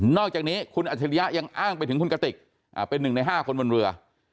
อกจากนี้คุณอัจฉริยะยังอ้างไปถึงคุณกติกเป็น๑ใน๕คนบนเรือ